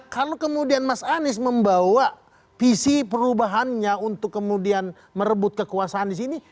kalau kemudian mas anies membawa visi perubahannya untuk kemudian merebut kekuasaan di sini